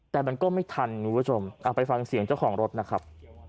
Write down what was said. แต่มันก็ไม่ทันคุณผู้ชมไปฟังเสียงเจ้าของรถนะครับ